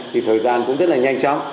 thì thời gian cũng rất là nhanh chóng